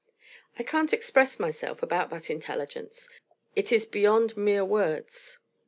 I can't express myself about that intelligence. It is beyond mere words.